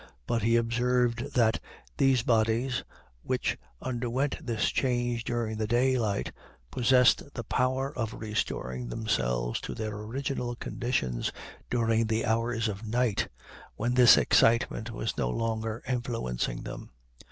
But he observed that "those bodies which underwent this change during the daylight possessed the power of restoring themselves to their original conditions during the hours of night, when this excitement was no longer influencing them."